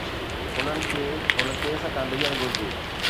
انهن کي هن ڪيس کان ڊڄڻ گهرجي.